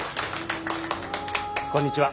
こんにちは。